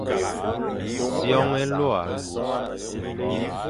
Sioñ élôa,